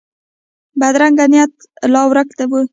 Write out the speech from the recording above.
بدرنګه نیت لار ورکه وي